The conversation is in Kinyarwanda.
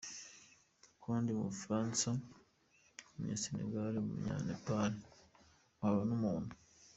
Kuba ndi umufaransa, umunye Senegal, umunye Naple, nkaba n'umuntu.